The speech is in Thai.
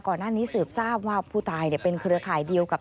ก่อนหน้านี้สืบทราบว่าผู้ตายเป็นเครือข่ายเดียวกับ